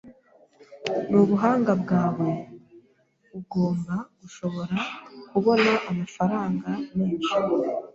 Nubuhanga bwawe, ugomba gushobora kubona amafaranga menshi.